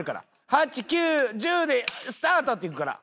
８９１０で「スタート」っていくから。